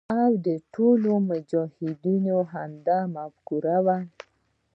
او د ټولو مجاهدینو همدا مفکوره وي.